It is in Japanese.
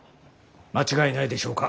間違いないでしょうか？